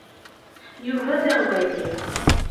Yuba d aɣwali.